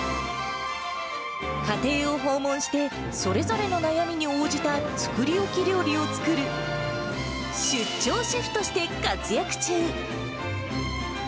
家庭を訪問して、それぞれの悩みに応じた作り置き料理を作る、出張シェフとして活躍中。